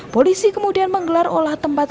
polisi kemudian menggelar olah tempat